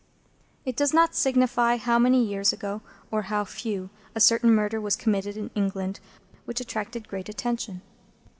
It does not signify how many years ago, or how few, a certain murder was committed in England, which attracted great attention.